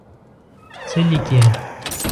څه لیکې.